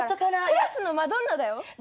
クラスのマドンナだよ！